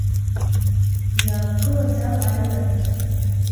Дҩамгылаӡакәа аҩра даҿын.